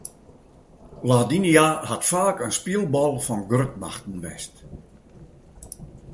Ladinia hat faak in spylbal fan grutmachten west.